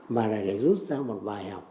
mà là để rút ra một bài học